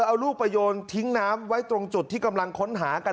เอาลูกไปโยนทิ้งน้ำไว้ตรงจุดที่กำลังค้นหากัน